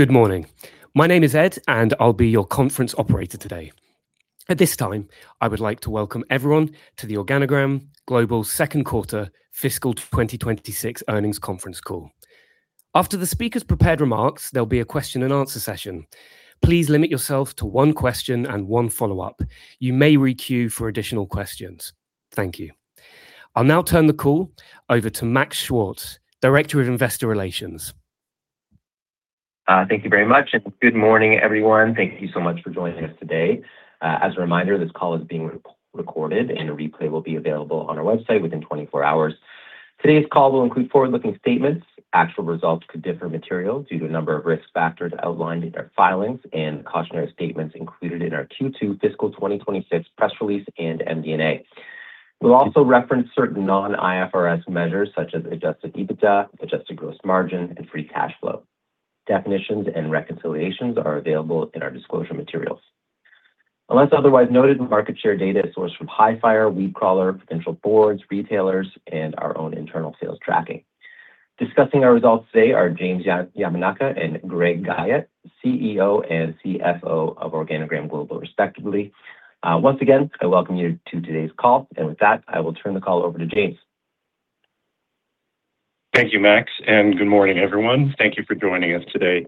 Good morning. My name is Ed, and I'll be your conference operator today. At this time, I would like to welcome everyone to the Organigram Global second quarter fiscal 2026 earnings conference call. After the speaker's prepared remarks, there'll be a question and answer session. Please limit yourself to one question and one follow-up. You may re-queue for additional questions. Thank you. I'll now turn the call over to Max Schwartz, Director of Investor Relations. Thank you very much, and good morning, everyone. Thank you so much for joining us today. As a reminder, this call is being re-recorded, and a replay will be available on our website within 24 hours. Today's call will include forward-looking statements. Actual results could differ materially due to a number of risk factors outlined in our filings and cautionary statements included in our Q2 fiscal 2026 press release and MD&A. We'll also reference certain non-IFRS measures, such as adjusted EBITDA, adjusted gross margin, and free cash flow. Definitions and reconciliations are available in our disclosure materials. Unless otherwise noted, market share data is sourced from Hifyre, WeedCrawler, provincial boards, retailers, and our own internal sales tracking. Discussing our results today are James Yamanaka and Greg Guyatt, CEO and CFO of Organigram Global, respectively. Once again, I welcome you to today's call. With that, I will turn the call over to James. Thank you, Max. Good morning, everyone. Thank you for joining us today.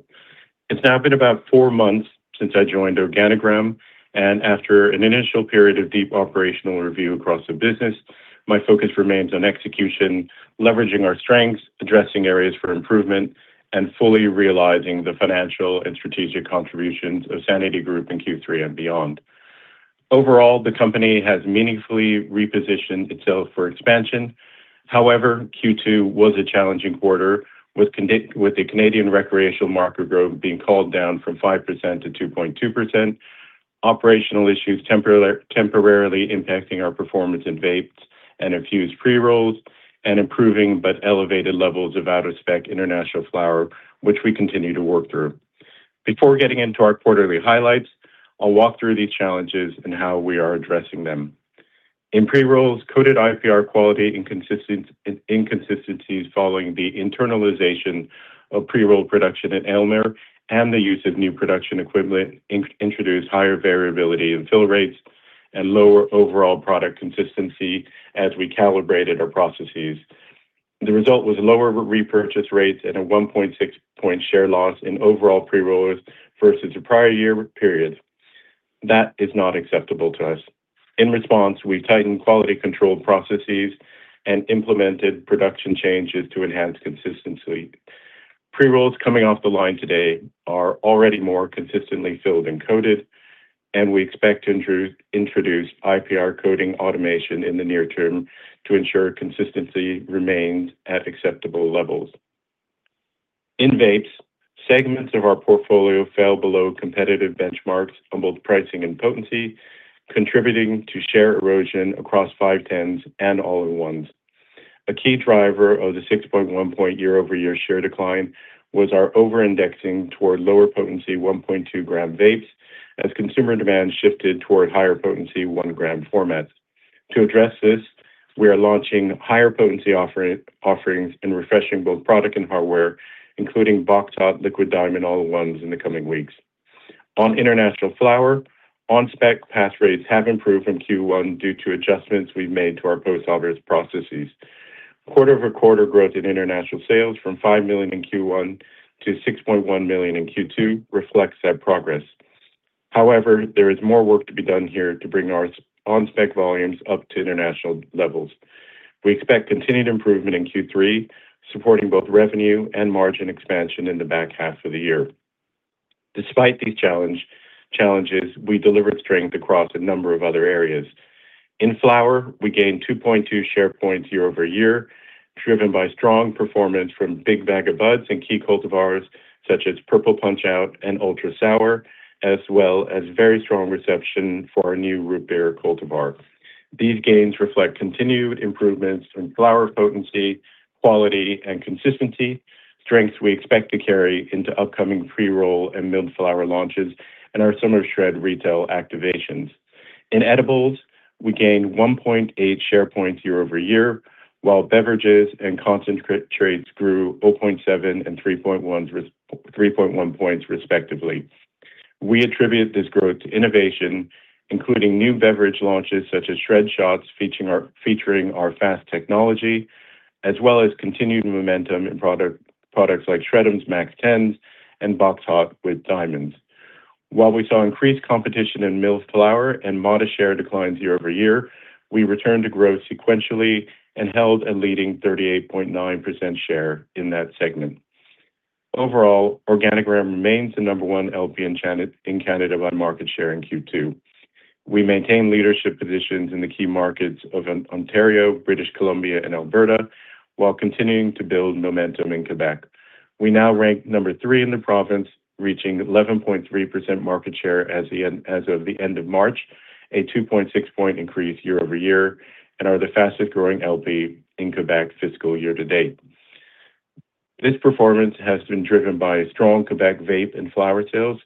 It's now been about four months since I joined Organigram. After an initial period of deep operational review across the business, my focus remains on execution, leveraging our strengths, addressing areas for improvement, and fully realizing the financial and strategic contributions of Sanity Group in Q3 and beyond. Overall, the company has meaningfully repositioned itself for expansion. Q2 was a challenging quarter, with the Canadian recreational market growth being called down from 5% to 2.2%, operational issues temporarily impacting our performance in vapes and infused pre-rolls, and improving but elevated levels of out-of-spec international flower, which we continue to work through. Before getting into our quarterly highlights, I'll walk through these challenges and how we are addressing them. In pre-rolls, coated IPR quality inconsistencies following the internalization of pre-roll production at Aylmer and the use of new production equivalent introduced higher variability in fill rates and lower overall product consistency as we calibrated our processes. The result was lower repurchase rates and a 1.6 point share loss in overall pre-rolls versus the prior year period. That is not acceptable to us. In response, we tightened quality control processes and implemented production changes to enhance consistency. Pre-rolls coming off the line today are already more consistently filled and coated, and we expect to introduce IPR coding automation in the near term to ensure consistency remains at acceptable levels. In vapes, segments of our portfolio fell below competitive benchmarks on both pricing and potency, contributing to share erosion across 510s and all-in-ones. A key driver of the 6.1 percentage point year-over-year share decline was our over-indexing toward lower potency 1.2 gram vapes as consumer demand shifted toward higher potency 1 gram formats. To address this, we are launching higher potency offerings and refreshing both product and hardware, including BOXHOT liquid diamond all-in-ones in the coming weeks. On international flower, on-spec pass rates have improved from Q1 due to adjustments we've made to our post-harvest processes. Quarter-over-quarter growth in international sales from 5 million in Q1 to 6.1 million in Q2 reflects that progress. There is more work to be done here to bring our on-spec volumes up to international levels. We expect continued improvement in Q3, supporting both revenue and margin expansion in the back half of the year. Despite these challenges, we delivered strength across a number of other areas. In flower, we gained 2.2 share points year-over-year, driven by strong performance from Big Bag o' Buds and key cultivars such as Purple Punch-Out and Ultra Sour, as well as very strong reception for our new Root Beer cultivar. These gains reflect continued improvements in flower potency, quality, and consistency, strengths we expect to carry into upcoming pre-roll and milled flower launches and our Summer SHRED retail activations. In edibles, we gained 1.8 share points year-over-year, while beverages and concentrate trades grew 0.7 and 3.1 points, respectively. We attribute this growth to innovation, including new beverage launches such as SHRED Shotz featuring our FAST technology, as well as continued momentum in products like SHRED'ems, MAX10s, and BOXHOT with Diamonds. While we saw increased competition in milled flower and modest share declines year-over-year, we returned to growth sequentially and held a leading 38.9% share in that segment. Overall, Organigram remains the number 1 LP in Canada by market share in Q2. We maintain leadership positions in the key markets of Ontario, British Columbia, and Alberta, while continuing to build momentum in Quebec. We now rank number three in the province, reaching 11.3% market share as of the end of March, a 2.6 point increase year-over-year, and are the fastest-growing LP in Quebec fiscal year to date. This performance has been driven by strong Quebec vape and flower sales,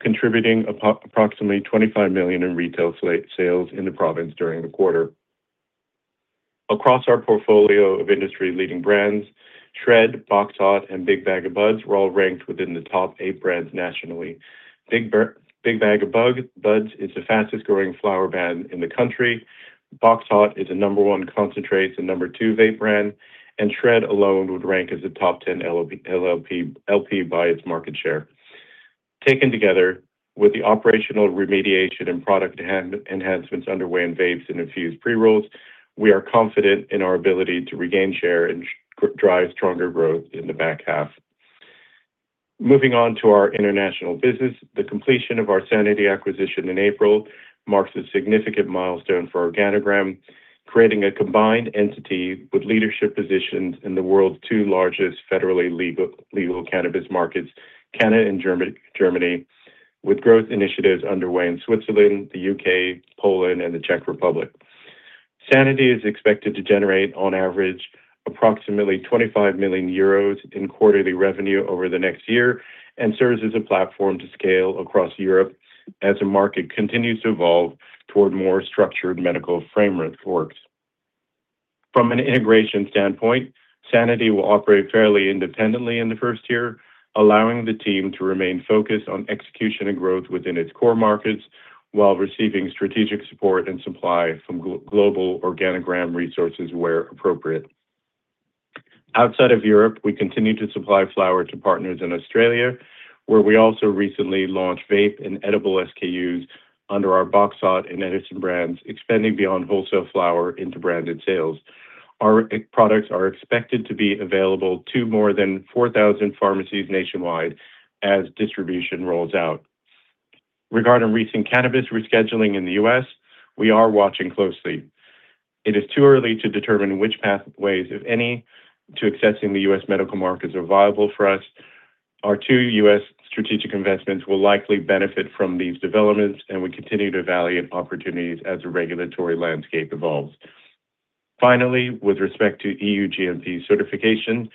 contributing approximately 25 million in retail sales in the province during the quarter. Across our portfolio of industry-leading brands, SHRED, BOXHOT, and Big Bag o' Buds were all ranked within the top eight brands nationally. Big Bag o' Buds is the fastest-growing flower brand in the country. BOXHOT is a number one concentrates and number two vape brand, and SHRED alone would rank as a top 10 LP by its market share. Taken together, with the operational remediation and product enhancements underway in vapes and infused pre-rolls, we are confident in our ability to regain share and drive stronger growth in the back half. Moving on to our international business, the completion of our Sanity acquisition in April marks a significant milestone for Organigram, creating a combined entity with leadership positions in the world's two largest federally legal cannabis markets, Canada and Germany, with growth initiatives underway in Switzerland, the U.K., Poland, and the Czech Republic. Sanity is expected to generate, on average, approximately 25 million euros in quarterly revenue over the next year and serves as a platform to scale across Europe as the market continues to evolve toward more structured medical frameworks. From an integration standpoint, Sanity will operate fairly independently in the first year, allowing the team to remain focused on execution and growth within its core markets while receiving strategic support and supply from global Organigram resources where appropriate. Outside of Europe, we continue to supply flower to partners in Australia, where we also recently launched vape and edible SKUs under our BOXHOT and Edison brands, expanding beyond wholesale flower into branded sales. Our products are expected to be available to more than 4,000 pharmacies nationwide as distribution rolls out. Regarding recent cannabis rescheduling in the U.S., we are watching closely. It is too early to determine which pathways, if any, to accessing the U.S. medical markets are viable for us. Our two U.S. strategic investments will likely benefit from these developments, and we continue to evaluate opportunities as the regulatory landscape evolves. Finally, with respect to EU GMP certification,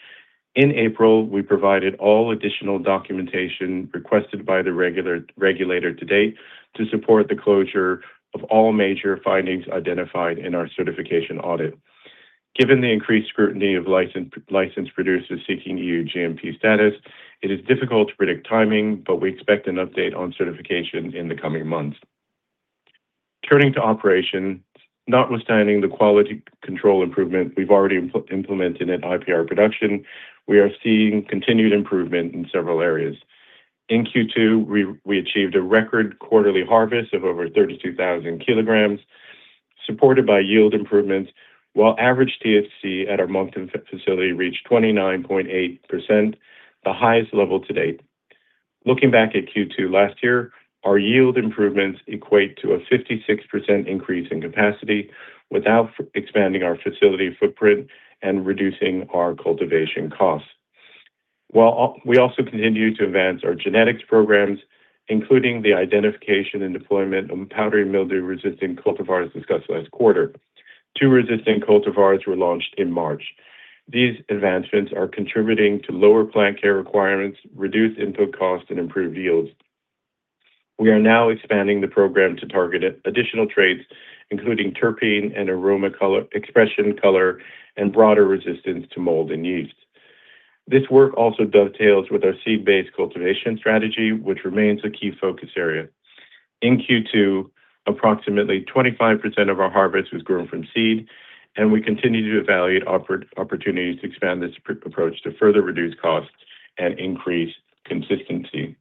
in April, we provided all additional documentation requested by the regulator to date to support the closure of all major findings identified in our certification audit. Given the increased scrutiny of licensed producers seeking EU GMP status, it is difficult to predict timing, but we expect an update on certification in the coming months. Turning to operations, notwithstanding the quality control improvement we've already implemented in IPR production, we are seeing continued improvement in several areas. In Q2, we achieved a record quarterly harvest of over 32,000 kg, supported by yield improvements, while average THC at our Moncton facility reached 29.8%, the highest level to date. Looking back at Q2 last year, our yield improvements equate to a 56% increase in capacity without expanding our facility footprint and reducing our cultivation costs. While we also continue to advance our genetics programs, including the identification and deployment of powdery mildew-resistant cultivars discussed last quarter. Two resistant cultivars were launched in March. These advancements are contributing to lower plant care requirements, reduced input costs, and improved yields. We are now expanding the program to target additional traits, including terpene and aroma color expression, color, and broader resistance to mold and yeast. This work also dovetails with our seed-based cultivation strategy, which remains a key focus area. In Q2, approximately 25% of our harvest was grown from seed, and we continue to evaluate opportunities to expand this approach to further reduce costs and increase consistency.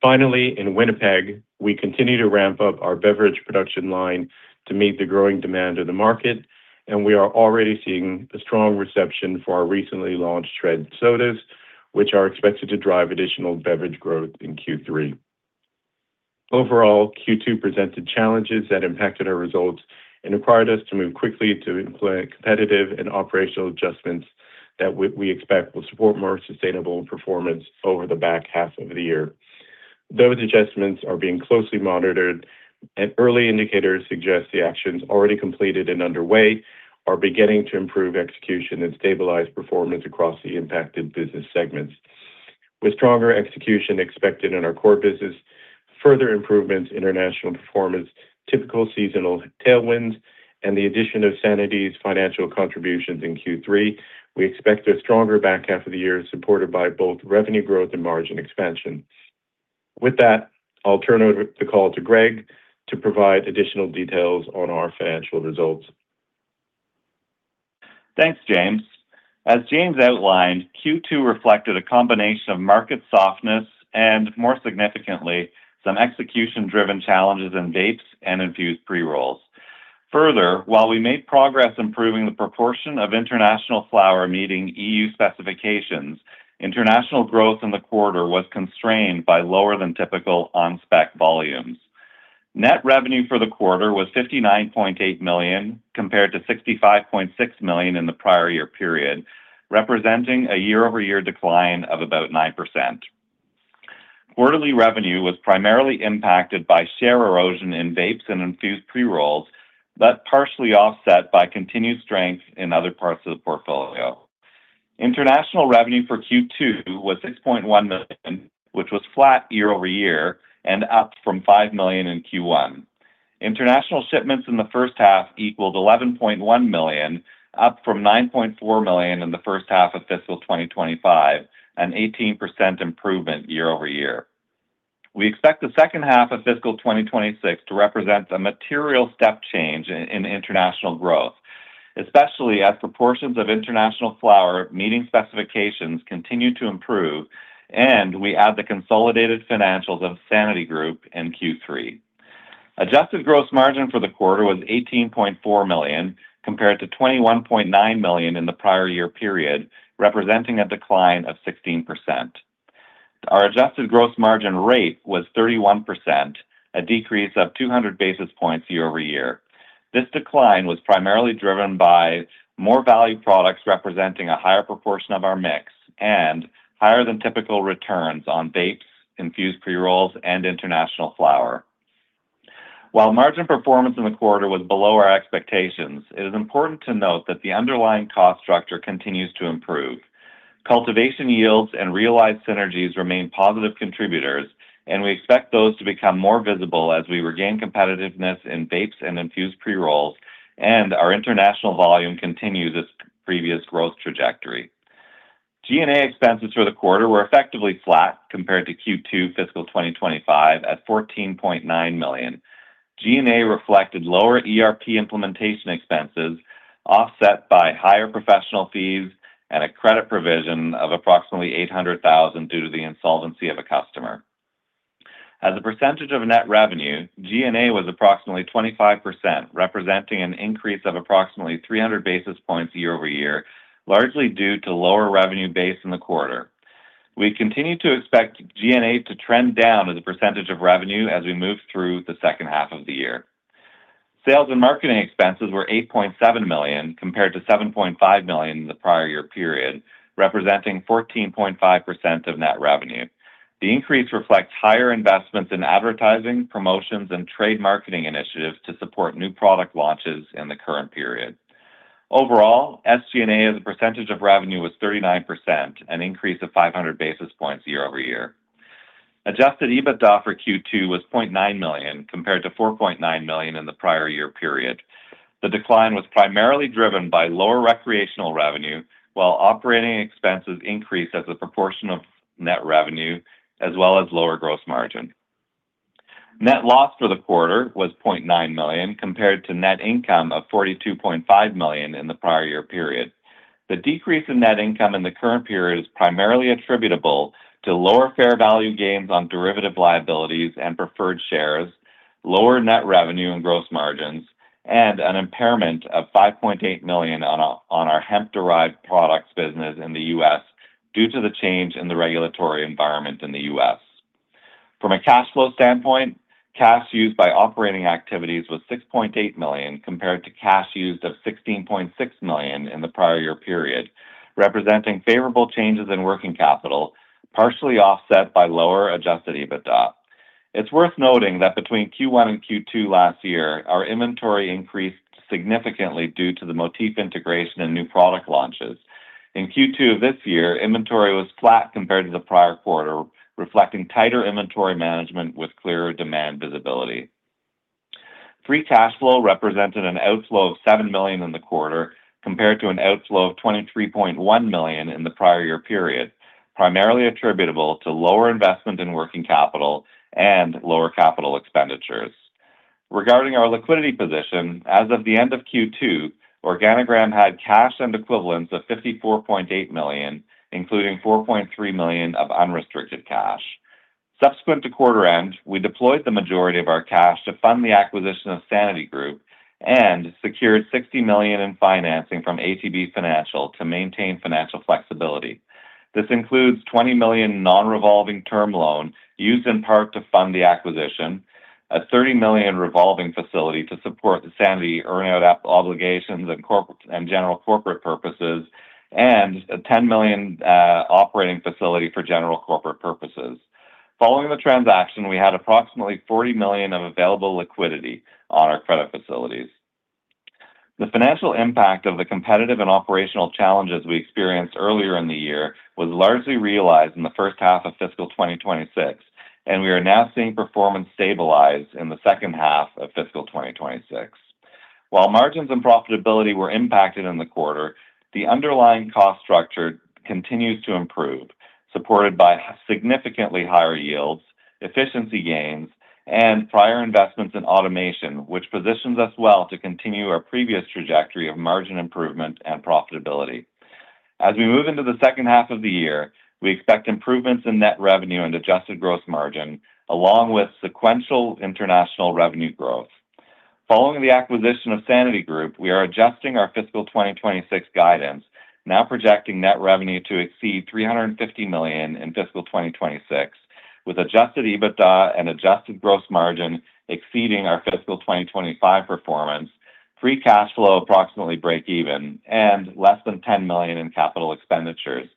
Finally, in Winnipeg, we continue to ramp up our beverage production line to meet the growing demand of the market, and we are already seeing a strong reception for our recently launched SHRED sodas, which are expected to drive additional beverage growth in Q3. Overall, Q2 presented challenges that impacted our results and required us to move quickly to employ competitive and operational adjustments that we expect will support more sustainable performance over the back half of the year. Those adjustments are being closely monitored, and early indicators suggest the actions already completed and underway are beginning to improve execution and stabilize performance across the impacted business segments. With stronger execution expected in our core business, further improvements in international performance, typical seasonal tailwinds, and the addition of Sanity's financial contributions in Q3, we expect a stronger back half of the year, supported by both revenue growth and margin expansion. With that, I'll turn over the call to Greg to provide additional details on our financial results. Thanks, James. As James outlined, Q2 reflected a combination of market softness and, more significantly, some execution-driven challenges in vapes and infused pre-rolls. Further, while we made progress improving the proportion of international flower meeting EU specifications, international growth in the quarter was constrained by lower than typical on-spec volumes. Net revenue for the quarter was 59.8 million, compared to 65.6 million in the prior year period, representing a year-over-year decline of about 9%. Quarterly revenue was primarily impacted by share erosion in vapes and infused pre-rolls, partially offset by continued strength in other parts of the portfolio. International revenue for Q2 was 6.1 million, which was flat year-over-year and up from 5 million in Q1. International shipments in the first half equaled 11.1 million, up from 9.4 million in the first half of fiscal 2025, an 18% improvement year-over-year. We expect the second half of fiscal 2026 to represent a material step change in international growth, especially as proportions of international flower meeting specifications continue to improve and we add the consolidated financials of Sanity Group in Q3. Adjusted gross margin for the quarter was 18.4 million, compared to 21.9 million in the prior year period, representing a decline of 16%. Our adjusted gross margin rate was 31%, a decrease of 200 basis points year-over-year. This decline was primarily driven by more value products representing a higher proportion of our mix and higher than typical returns on vapes, infused pre-rolls, and international flower. While margin performance in the quarter was below our expectations, it is important to note that the underlying cost structure continues to improve. Cultivation yields and realized synergies remain positive contributors, and we expect those to become more visible as we regain competitiveness in vapes and infused pre-rolls and our international volume continue this previous growth trajectory. G&A expenses for the quarter were effectively flat compared to Q2 FY 2025 at 14.9 million. G&A reflected lower ERP implementation expenses, offset by higher professional fees and a credit provision of approximately 800,000 due to the insolvency of a customer. As a percentage of net revenue, G&A was approximately 25%, representing an increase of approximately 300 basis points year-over-year, largely due to lower revenue base in the quarter. We continue to expect G&A to trend down as a percentage of revenue as we move through the second half of the year. Sales and marketing expenses were 8.7 million, compared to 7.5 million in the prior year period, representing 14.5% of net revenue. The increase reflects higher investments in advertising, promotions, and trade marketing initiatives to support new product launches in the current period. Overall, SG&A as a percentage of revenue was 39%, an increase of 500 basis points year-over-year. adjusted EBITDA for Q2 was 0.9 million, compared to 4.9 million in the prior year period. The decline was primarily driven by lower recreational revenue, while operating expenses increased as a proportion of net revenue, as well as lower gross margin. Net loss for the quarter was 0.9 million, compared to net income of 42.5 million in the prior year period. The decrease in net income in the current period is primarily attributable to lower fair value gains on derivative liabilities and preferred shares, lower net revenue and gross margins, and an impairment of $5.8 million on our hemp-derived products business in the U.S. due to the change in the regulatory environment in the U.S. From a cash flow standpoint, cash used by operating activities was 6.8 million, compared to cash used of 16.6 million in the prior year period, representing favorable changes in working capital, partially offset by lower adjusted EBITDA. It's worth noting that between Q1 and Q2 last year, our inventory increased significantly due to the Motif integration and new product launches. In Q2 of this year, inventory was flat compared to the prior quarter, reflecting tighter inventory management with clearer demand visibility. Free cash flow represented an outflow of 7 million in the quarter, compared to an outflow of 23.1 million in the prior year period, primarily attributable to lower investment in working capital and lower capital expenditures. Regarding our liquidity position, as of the end of Q2, Organigram had cash and equivalents of 54.8 million, including 4.3 million of unrestricted cash. Subsequent to quarter end, we deployed the majority of our cash to fund the acquisition of Sanity Group and secured 60 million in financing from ATB Financial to maintain financial flexibility. This includes 20 million non-revolving term loan used in part to fund the acquisition, a 30 million revolving facility to support the Sanity earn-out obligations and general corporate purposes, and a 10 million operating facility for general corporate purposes. Following the transaction, we had approximately 40 million of available liquidity on our credit facilities. The financial impact of the competitive and operational challenges we experienced earlier in the year was largely realized in the first half of fiscal 2026. We are now seeing performance stabilize in the second half of fiscal 2026. While margins and profitability were impacted in the quarter, the underlying cost structure continues to improve, supported by significantly higher yields, efficiency gains, and prior investments in automation, which positions us well to continue our previous trajectory of margin improvement and profitability. As we move into the second half of the year, we expect improvements in net revenue and adjusted gross margin, along with sequential international revenue growth. Following the acquisition of Sanity Group, we are adjusting our fiscal 2026 guidance, now projecting net revenue to exceed 350 million in fiscal 2026, with adjusted EBITDA and adjusted gross margin exceeding our fiscal 2025 performance, free cash flow approximately break even, and less than 10 million in capital expenditures.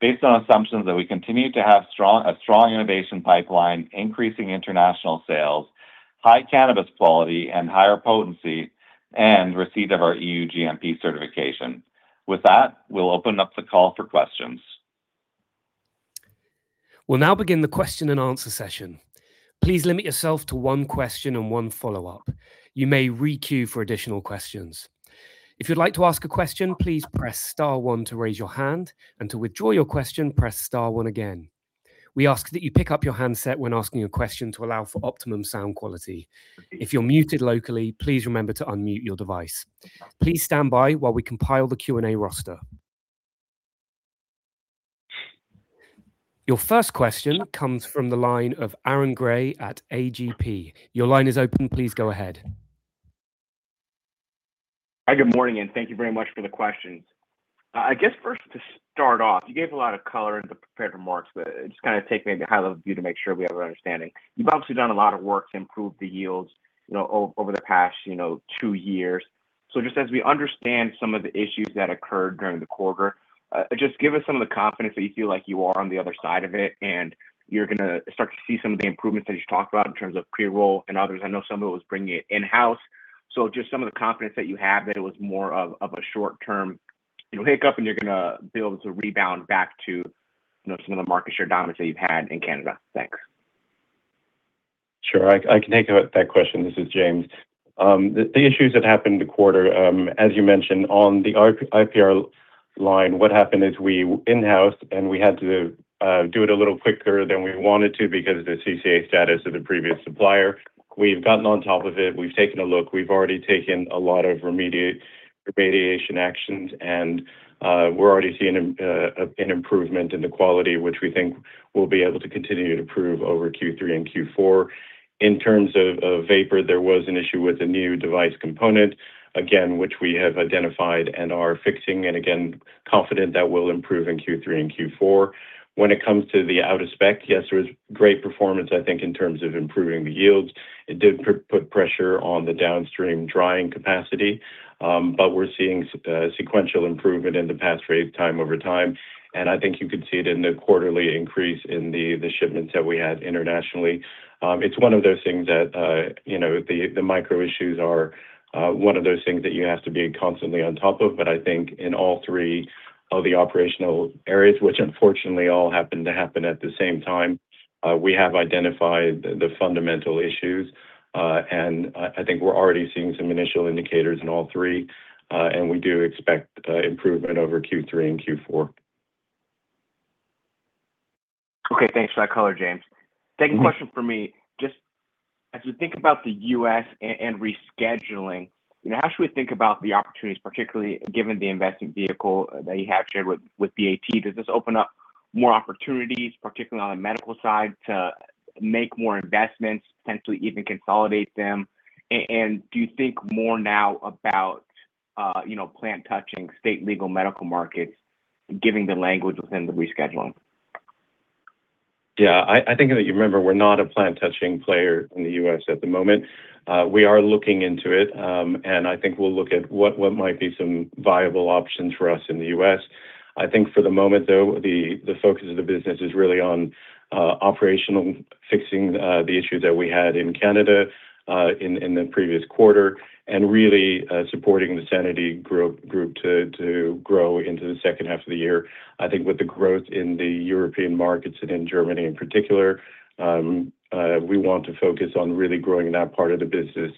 Based on assumptions that we continue to have a strong innovation pipeline, increasing international sales, high cannabis quality, and higher potency. Receipt of our EU GMP certification. With that, we'll open up the call for questions. We'll now begin the question and answer session. Please limit yourself to one question and one follow-up. You may re-queue for additional questions. If you'd like to ask a question, please press star one to raise your hand, and to withdraw your question, press star one again. We ask that you pick up your handset when asking a question to allow for optimum sound quality. If you're muted locally, please remember to unmute your device. Please stand by while we compile the Q&A roster. Your first question comes from the line of Aaron Grey at A.G.P. Your line is open, please go ahead. Hi, good morning. Thank you very much for the questions. I guess first to start off, you gave a lot of color in the prepared remarks, but just kind of take maybe a high-level view to make sure we have an understanding. You've obviously done a lot of work to improve the yields, you know, over the past, you know, two years. Just as we understand some of the issues that occurred during the quarter, just give us some of the confidence that you feel like you are on the other side of it, and you're going to start to see some of the improvements that you talked about in terms of pre-roll and others. I know some of it was bringing it in-house. Just some of the confidence that you have that it was more of a short term, you know, hiccup, and you are going to be able to rebound back to, you know, some of the market share dominance that you've had in Canada? Thanks. Sure. I can take that question. This is James. The issues that happened in the quarter, as you mentioned on the IPR line, what happened is we in-housed, and we had to do it a little quicker than we wanted to because of the CCAA status of the previous supplier. We've gotten on top of it. We've taken a look. We've already taken a lot of remediation actions, and we're already seeing an improvement in the quality, which we think we'll be able to continue to improve over Q3 and Q4. In terms of vapor, there was an issue with a new device component, again, which we have identified and are fixing, and again, confident that we'll improve in Q3 and Q4. When it comes to the out of spec, yes, there was great performance, I think, in terms of improving the yields. It did put pressure on the downstream drying capacity, but we're seeing sequential improvement in the pass rate time over time. I think you could see it in the quarterly increase in the shipments that we had internationally. It's one of those things that, you know, the micro issues are one of those things that you have to be constantly on top of. I think in all three of the operational areas, which unfortunately all happened to happen at the same time, we have identified the fundamental issues. I think we're already seeing some initial indicators in all three, and we do expect improvement over Q3 and Q4. Okay. Thanks for that color, James. Second question from me. Just as we think about the U.S. and rescheduling, you know, how should we think about the opportunities, particularly given the investment vehicle that you have shared with BAT? Does this open up more opportunities, particularly on the medical side, to make more investments, potentially even consolidate them? Do you think more now about, you know, plant touching state legal medical markets given the language within the rescheduling? Yeah. I think that you remember, we're not a plant touching player in the U.S. at the moment. We are looking into it, I think we'll look at what might be some viable options for us in the U.S. I think for the moment, though, the focus of the business is really on operational, fixing the issues that we had in Canada in the previous quarter, really supporting the Sanity Group to grow into the second half of the year. I think with the growth in the European markets and in Germany in particular, we want to focus on really growing that part of the business,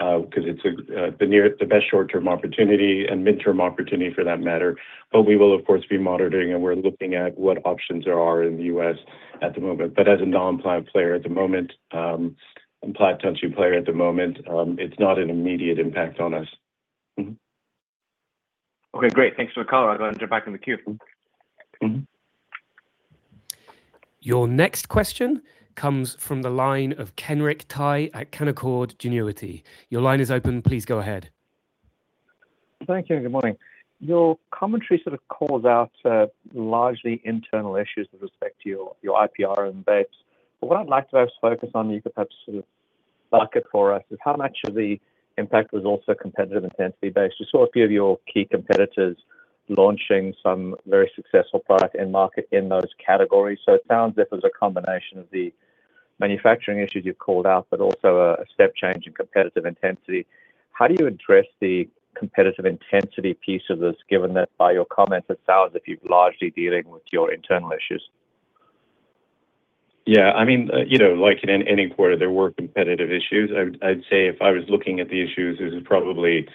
'cause it's the best short-term opportunity and midterm opportunity for that matter. We will of course, be monitoring, and we're looking at what options there are in the U.S. at the moment. As a non-plant player at the moment, it's not an immediate impact on us. Mm-hmm. Okay. Great. Thanks for the color. I'll go and jump back in the queue. Your next question comes from the line of Kenric Tyghe at Canaccord Genuity. Your line is open. Please go ahead. Thank you, and good morning. Your commentary sort of calls out largely internal issues with respect to your IPR and vapes. What I'd like to just focus on, you could perhaps sort of bucket for us, is how much of the impact was also competitive intensity based. We saw a few of your key competitors launching some very successful product in market in those categories. It sounds as if it was a combination of the manufacturing issues you've called out, but also a step change in competitive intensity. How do you address the competitive intensity piece of this, given that by your comments, it sounds as if you're largely dealing with your internal issues? Yeah, I mean, you know, like in any quarter, there were competitive issues. I'd say if I was looking at the issues, it was probably,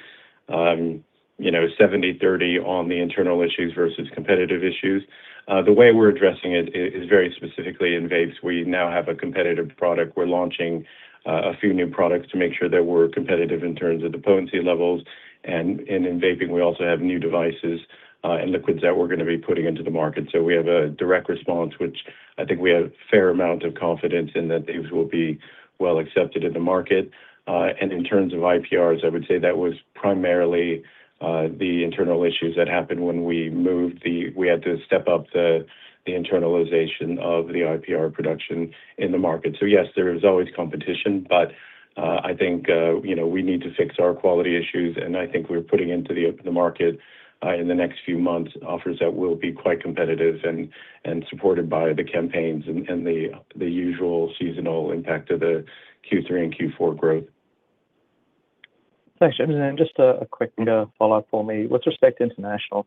you know, 70/30 on the internal issues versus competitive issues. The way we're addressing it is very specifically in vapes. We now have a competitive product. We're launching a few new products to make sure that we're competitive in terms of the potency levels, and in vaping, we also have new devices and liquids that we're gonna be putting into the market. We have a direct response, which I think we have fair amount of confidence in that these will be well accepted in the market. In terms of IPRs, I would say that was primarily the internal issues that happened when we had to step up the internalization of the IPR production in the market. Yes, there is always competition, but I think, you know, we need to fix our quality issues, and I think we're putting into the market in the next few months, offers that will be quite competitive and supported by the campaigns and the usual seasonal impact of the Q3 and Q4 growth. Thanks, James. Just a quick follow-up for me. With respect to international,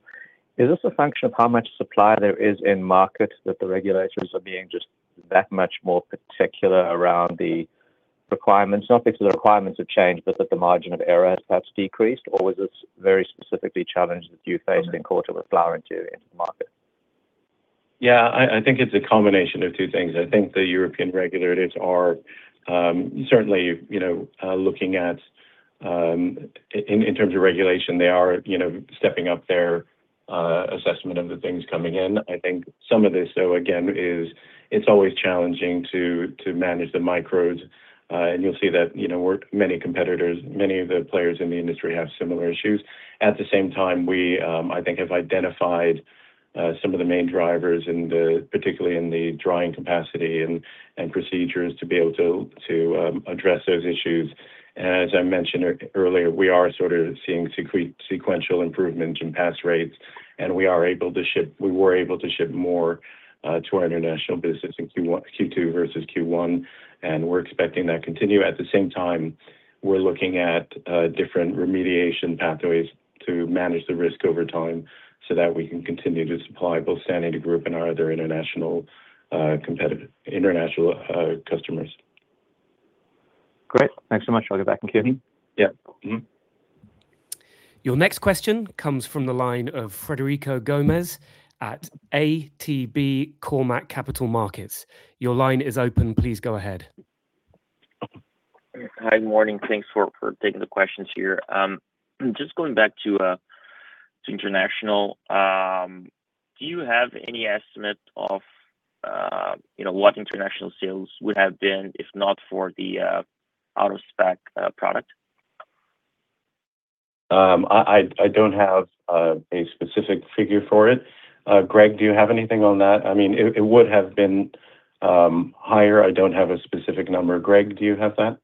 is this a function of how much supply there is in market that the regulators are being just that much more particular around the requirements? Not because the requirements have changed, but that the margin of error has perhaps decreased, or was this very specifically a challenge that you faced in quarter with Flow into the market? Yeah. I think it's a combination of two things. I think the European regulators are, certainly, you know, looking at, in terms of regulation, they are, you know, stepping up their assessment of the things coming in. I think some of this, though, again, is it's always challenging to manage the micros. You'll see that, you know, many competitors, many of the players in the industry have similar issues. At the same time, we, I think have identified some of the main drivers in the, particularly in the drying capacity and procedures to be able to address those issues. As I mentioned earlier, we are sort of seeing sequential improvements in pass rates. We were able to ship more to our international business in Q2 versus Q1. We're expecting that to continue. At the same time, we're looking at different remediation pathways to manage the risk over time so that we can continue to supply both Sanity Group and our other international, competitive, international customers. Great. Thanks so much. I will get back in queue. Yeah. Mm-hmm. Your next question comes from the line of Frederico Gomes at ATB Cormark Capital Markets. Your line is open. Please go ahead. Hi. Morning. Thanks for taking the questions here. Just going back to international, do you have any estimate of, you know, what international sales would have been if not for the out of spec product? I don't have a specific figure for it. Greg, do you have anything on that? I mean, it would have been higher. I don't have a specific number. Greg, do you have that?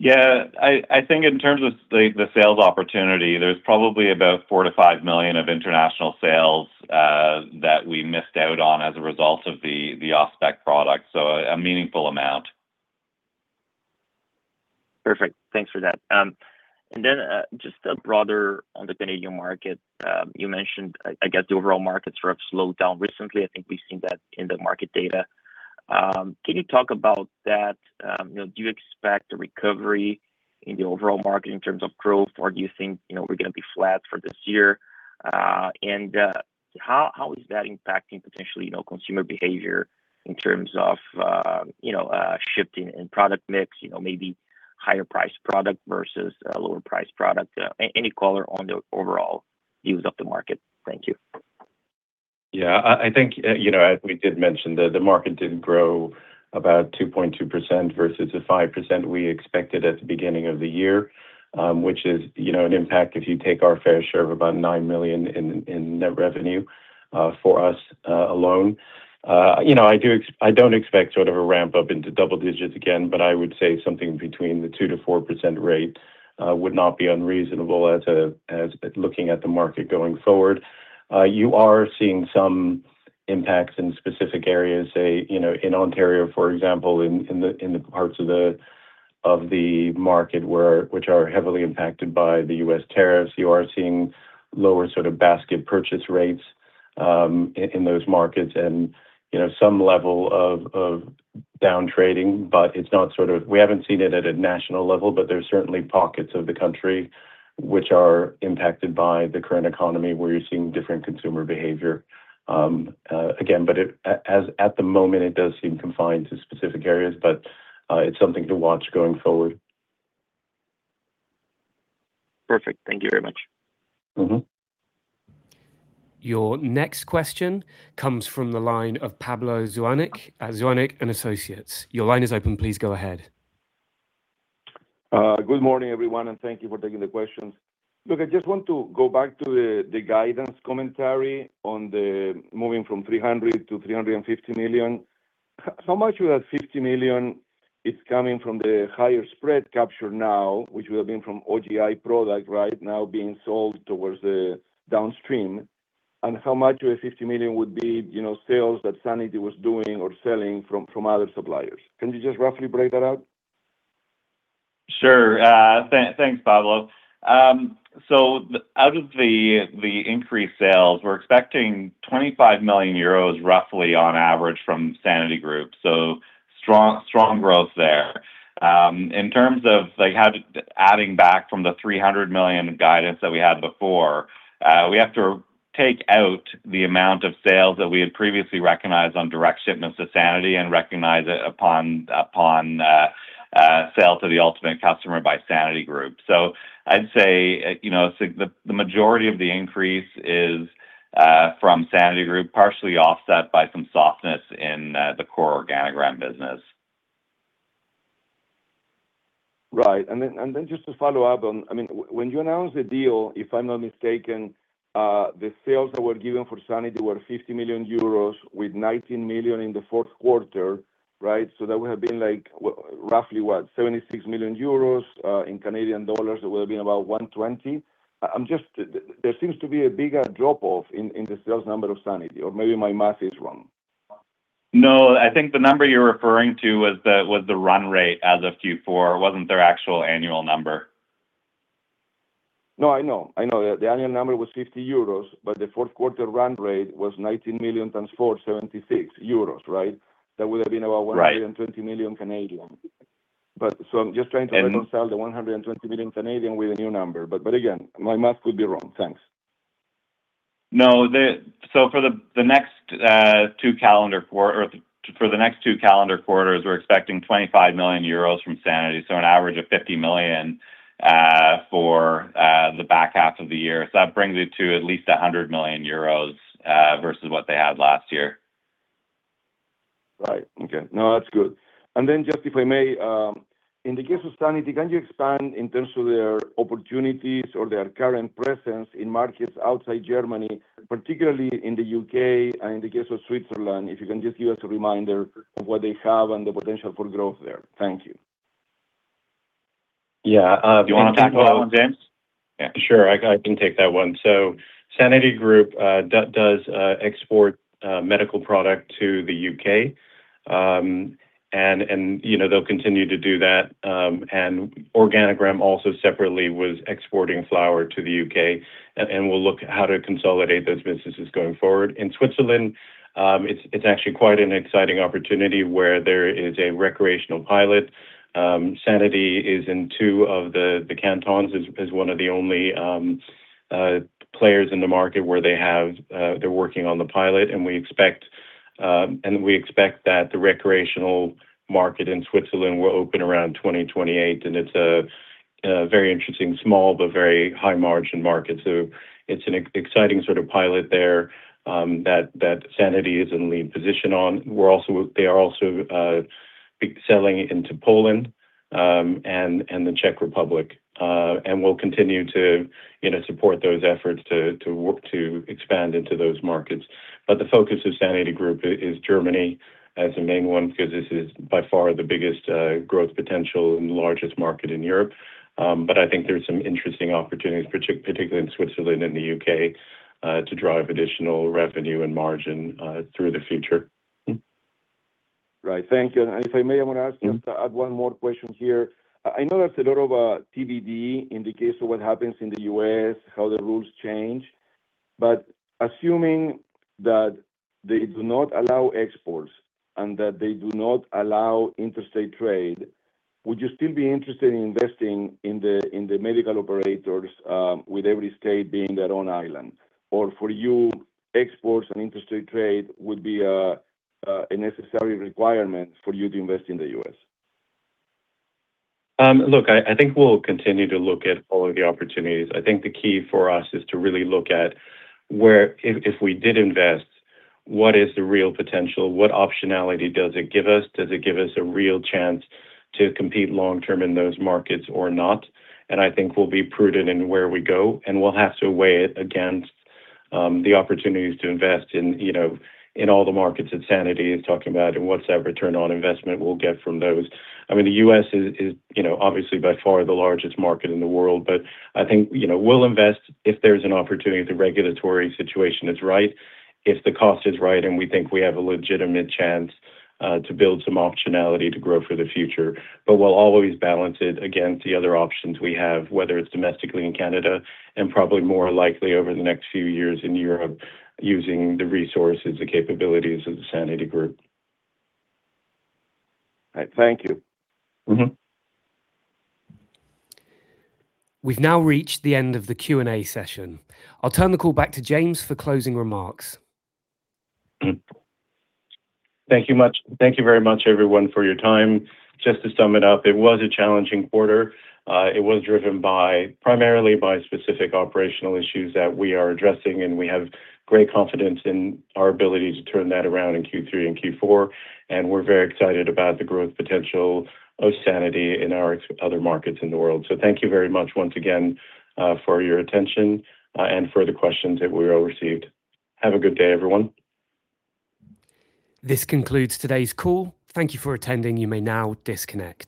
Yeah. I think in terms of the sales opportunity, there's probably about 4 million-5 million of international sales that we missed out on as a result of the off-spec product, so a meaningful amount. Perfect. Thanks for that. Then, just a broader on the Canadian market, you mentioned, I guess the overall markets sort of slowed down recently. I think we've seen that in the market data. Can you talk about that? You know, do you expect a recovery in the overall market in terms of growth, or do you think, you know, we're gonna be flat for this year? How is that impacting potentially, you know, consumer behavior in terms of, you know, shifting in product mix, you know, maybe higher priced product versus a lower priced product? Any color on the overall views of the market? Thank you. I think, you know, as we did mention, the market did grow about 2.2% versus the 5% we expected at the beginning of the year, which is, you know, an impact, if you take our fair share, of about 9 million in net revenue for us alone. You know, I don't expect sort of a ramp up into double digits again, but I would say something between the 2%-4% rate would not be unreasonable as at looking at the market going forward. You are seeing some impacts in specific areas, say, you know, in Ontario, for example, in the parts of the market which are heavily impacted by the U.S. tariffs. You are seeing lower sort of basket purchase rates, in those markets and, you know, some level of down trading, but it's not We haven't seen it at a national level. There's certainly pockets of the country which are impacted by the current economy where you're seeing different consumer behavior, again, but it, as, at the moment, it does seem confined to specific areas, but it's something to watch going forward. Perfect. Thank you very much. Your next question comes from the line of Pablo Zuanic at Zuanic & Associates. Your line is open. Please go ahead. Good morning, everyone, and thank you for taking the questions. Look, I just want to go back to the guidance commentary on the moving from 300 million to 350 million. How much of that 50 million is coming from the higher spread capture now, which would have been from OGI product right now being sold towards the downstream, and how much of the 50 million would be, you know, sales that Sanity was doing or selling from other suppliers? Can you just roughly break that out? Sure. Thanks, Pablo. Out of the increased sales, we're expecting 25 million euros roughly on average from Sanity Group, strong growth there. In terms of how adding back from the 300 million guidance that we had before, we have to take out the amount of sales that we had previously recognized on direct shipments to Sanity and recognize it upon sale to the ultimate customer by Sanity Group. I'd say, you know, the majority of the increase is from Sanity Group, partially offset by some softness in the core Organigram business. Right. Just to follow up on I mean, when you announced the deal, if I'm not mistaken, the sales that were given for Sanity were 50 million euros with 19 million in the fourth quarter, right? That would have been like roughly what? 76 million euros in Canadian dollars, it would have been about 120 million. I'm just There seems to be a bigger drop-off in the sales number of Sanity, or maybe my math is wrong. No, I think the number you're referring to was the run rate as of Q4. It wasn't their actual annual number. No, I know, I know. The, the annual number was 50 euros, but the fourth quarter run rate was 19 million times four, 76 euros, right? That would have been about and 120 million. But just trying to reconcile the 120 million with a new number, but again, my math could be wrong. Thanks. No. For the next two calendar quarters, we're expecting 25 million euros from Sanity, an average of 50 million for the back half of the year. That brings it to at least 100 million euros versus what they had last year. Right. Okay. No, that's good. Just if I may, in the case of Sanity, can you expand in terms of their opportunities or their current presence in markets outside Germany, particularly in the U.K. and in the case of Switzerland, if you can just give us a reminder of what they have and the potential for growth there. Thank you. Yeah. Do you want me to take that one, James? Sure. I can take that one. Sanity Group does export medical product to the U.K. You know, they'll continue to do that. Organigram also separately was exporting flower to the U.K., and we'll look at how to consolidate those businesses going forward. In Switzerland, it's actually quite an exciting opportunity where there is a recreational pilot. Sanity is in two of the cantons. Is one of the only players in the market where they're working on the pilot, and we expect that the recreational market in Switzerland will open around 2028, and it's a very interesting small but very high-margin market. It's an exciting sort of pilot there that Sanity is in lead position on. They are also selling into Poland and the Czech Republic. We'll continue to, you know, support those efforts to work to expand into those markets. The focus of Sanity Group is Germany as the main one because this is by far the biggest growth potential and the largest market in Europe. I think there's some interesting opportunities, particularly in Switzerland and the U.K., to drive additional revenue and margin through the future. Right. Thank you. If I may, I want to ask just to add one more question here. I know there's a lot of TBD in the case of what happens in the U.S., how the rules change. Assuming that they do not allow exports and that they do not allow interstate trade, would you still be interested in investing in the medical operators, with every state being their own island? For you, exports and interstate trade would be a necessary requirement for you to invest in the U.S.? Look, I think we'll continue to look at all of the opportunities. I think the key for us is to really look at where, if we did invest, what is the real potential? What optionality does it give us? Does it give us a real chance to compete long-term in those markets or not? I think we'll be prudent in where we go, and we'll have to weigh it against the opportunities to invest in all the markets that Sanity is talking about, and what's that return on investment we'll get from those. I mean, the U.S. is, you know, obviously by far the largest market in the world, I think, you know, we'll invest if there's an opportunity, if the regulatory situation is right, if the cost is right, and we think we have a legitimate chance to build some optionality to grow for the future. We'll always balance it against the other options we have, whether it's domestically in Canada and probably more likely over the next few years in Europe, using the resources, the capabilities of the Sanity Group. Right. Thank you. We've now reached the end of the Q&A session. I'll turn the call back to James for closing remarks. Thank you much. Thank you very much everyone for your time. Just to sum it up, it was a challenging quarter. It was driven by, primarily by specific operational issues that we are addressing, and we have great confidence in our ability to turn that around in Q3 and Q4, and we're very excited about the growth potential of Sanity in our other markets in the world. Thank you very much once again for your attention and for the questions that we all received. Have a good day, everyone. This concludes today's call. Thank you for attending. You may now disconnect.